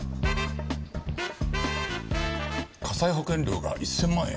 火災保険料が１０００万円？